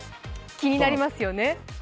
気になりますよね。